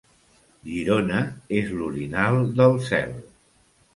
Girona és l'orinal del cel.